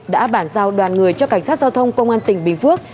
đã bản giao đoàn người cho cảnh sát giao thông công an tỉnh bình phước